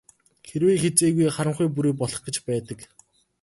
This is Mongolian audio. Хэзээ хэзээгүй харанхуй бүрий болох гэж байдаг.